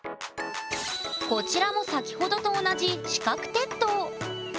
こちらも先ほどと同じ四角鉄塔。